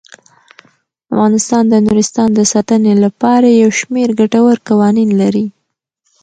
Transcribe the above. افغانستان د نورستان د ساتنې لپاره یو شمیر ګټور قوانین لري.